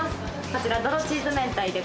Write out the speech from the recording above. こちら。